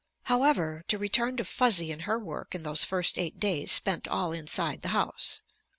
However, to return to Fuzzy and her work in those first eight days spent all inside the house.